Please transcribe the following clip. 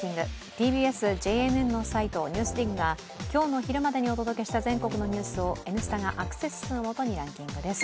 ＴＢＳ・ＪＮＮのサイト「ＮＥＷＳＤＩＧ」が今日の昼までにお届けした全国のニュースを「Ｎスタ」がアクセス数をもとにランキングです。